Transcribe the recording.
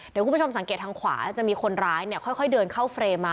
เดี๋ยวคุณผู้ชมสังเกตทางขวาจะมีคนร้ายเนี่ยค่อยเดินเข้าเฟรมมา